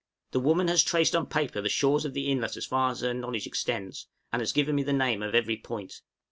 The woman has traced on paper the shores of the inlet as far as her knowledge extends, and has given me the name of every point.